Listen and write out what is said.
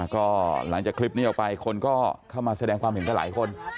ก็หลังจากคลิปนี้ออกไปคนก็เข้ามาแสดงความเห็นกับหลายคน